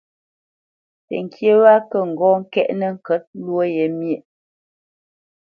Təŋkyé wa kə ŋgɔ́ ŋkɛ̀ʼnə ŋkə̌t lwó ye myéʼ.